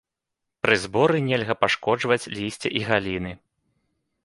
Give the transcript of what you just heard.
Пры зборы нельга пашкоджваць лісце і галіны.